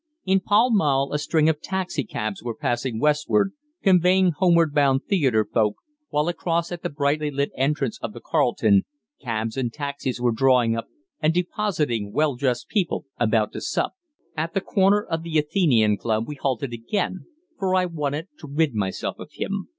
In Pall Mall a string of taxi cabs was passing westward, conveying homeward bound theatre folk, while across at the brightly lit entrance of the Carlton, cabs and taxis were drawing up and depositing well dressed people about to sup. At the corner of the Athenæum Club we halted again, for I wanted to rid myself of him.